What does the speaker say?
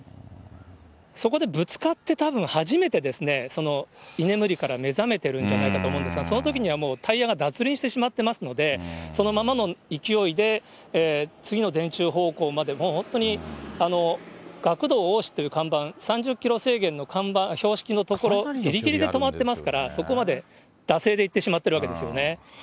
そこでぶつかって、たぶん初めて居眠りから目覚めてるんじゃないかと思うんですが、そのときにはもうタイヤが脱輪してしまっていますので、そのままの勢いで、次の電柱方向まで、もう本当に学童多しっていう看板、３０キロ制限の標識の所、ぎりぎりで止まってますから、そこまで惰性で行ってしまっているわけですよね。